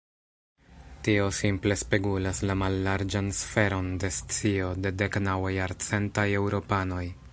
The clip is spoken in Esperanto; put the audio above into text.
Tio simple spegulas la mallarĝan sferon de scio de deknaŭajarcentaj eŭropanoj.